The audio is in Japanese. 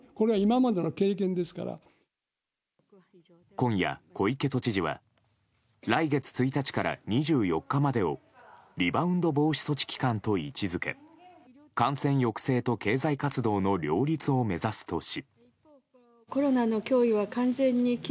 今夜、小池都知事は来月１日から２４日までをリバウンド防止措置と位置づけ感染抑制と経済活動の両立を目指すとし。